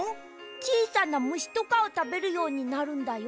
ちいさなむしとかをたべるようになるんだよ。